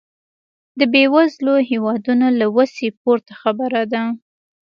د بېوزلو هېوادونو له وسې پورته خبره ده.